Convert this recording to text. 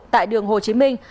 tại đường hồ chí minh